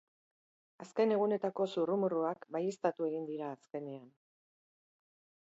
Azken egunetako zurrumurruak baieztatu egin dira azkenean.